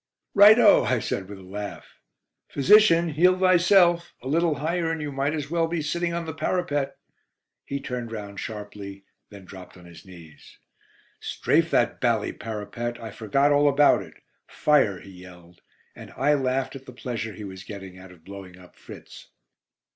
"Right o!" I said, with a laugh. "Physician, heal thyself. A little higher, and you might as well be sitting on the parapet." He turned round sharply, then dropped on his knees. "Strafe that bally parapet. I forgot all about it. Fire!" he yelled, and I laughed at the pleasure he was getting out of blowing up Fritz.